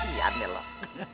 dia ambil loh